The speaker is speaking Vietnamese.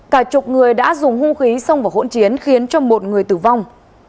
cả chục người đã dùng hung khí xông vào hỗn chiến khiến cho một người tử vong